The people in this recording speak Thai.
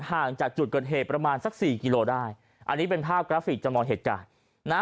ห่างจากจุดเกิดเหตุประมาณสักสี่กิโลได้อันนี้เป็นภาพกราฟิกจำลองเหตุการณ์นะ